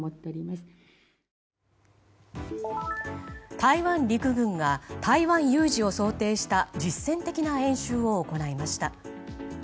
台湾陸軍が台湾有事を想定した実戦的な演習を行いました。